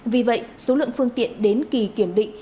vì vậy số lượng phương tiện đến kỳ kiểm định